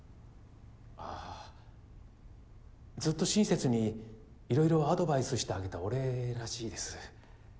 あっずっと親切にいろいろアドバイスしてあげたお礼らしいです